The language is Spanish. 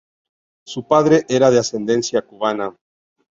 Su padre era de ascendencia cubana.